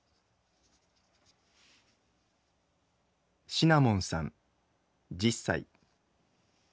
シナモンさん１０歳。